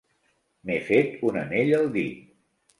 M'he fet un anell al dit.